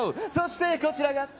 そしてこちらが。